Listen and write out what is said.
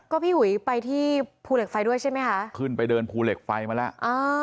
ก็พี่อุ๋ยไปที่ภูเหล็กไฟด้วยใช่ไหมคะขึ้นไปเดินภูเหล็กไฟมาแล้วอ่า